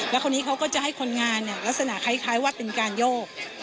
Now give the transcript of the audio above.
แล้วคนนี้เขาก็จะให้คนงานเนี่ยลักษณะคล้ายว่าเป็นการโยก